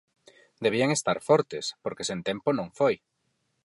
Debían estar fortes, porque sen tempo non foi.